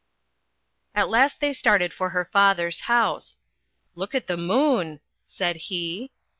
At last they started for her father's house. "Look at the moon," said he.